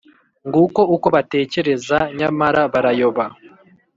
Nguko uko batekereza, nyamara barayoba,